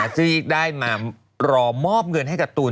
ที่ได้มารอมอบเงินให้กับตูน